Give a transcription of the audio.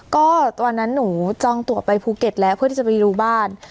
ก็ตอนนั้นหนูจองตัวไปภูเก็ตแล้วเพื่อที่จะไปดูบ้าน